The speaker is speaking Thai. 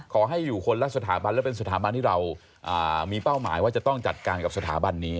ขอให้อยู่คนละสถาบันและเป็นสถาบันที่เรามีเป้าหมายว่าจะต้องจัดการกับสถาบันนี้